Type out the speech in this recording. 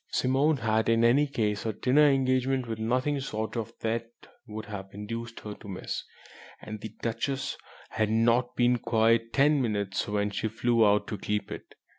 Simone had in any case a dinner engagement which nothing short of death would have induced her to miss; and the Duchess had not been gone quite ten minutes when she flew out to keep it.